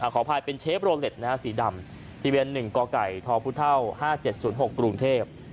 ขอภายเป็นเชฟโรเล็ตนะฮะสีดำที่เวียน๑กไก่ทพุท่าว๕๗๐๖กรุงเทพฯ